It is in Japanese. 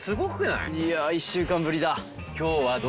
いや１週間ぶりだ。